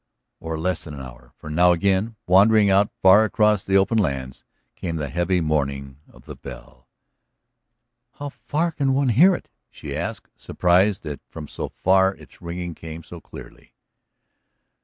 Or less than an hour. For now again, wandering out far across the open lands, came the heavy mourning of the bell. "How far can one hear it?" she asked, surprised that from so far its ringing came so clearly.